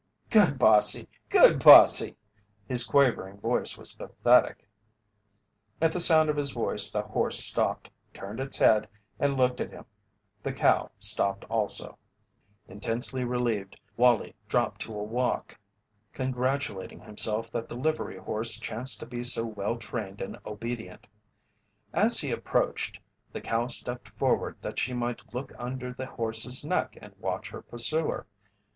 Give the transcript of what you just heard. "Good bossy! Good bossy!" His quavering voice was pathetic. At the sound of his voice the horse stopped, turned its head, and looked at him. The cow stopped also. Intensely relieved, Wallie dropped to a walk, congratulating himself that the livery horse chanced to be so well trained and obedient. As he approached, the cow stepped forward that she might look under the horse's neck and watch her pursuer.